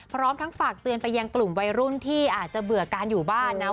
พร้อมทั้งฝากเตือนไปยังกลุ่มวัยรุ่นที่อาจจะเบื่อการอยู่บ้านนะ